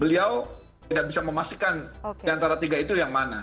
beliau tidak bisa memastikan diantara tiga itu yang mana